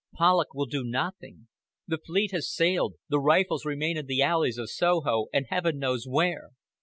Polloch will do nothing. The fleet has sailed, the rifles remain in the alleys of Soho and Heaven knows where.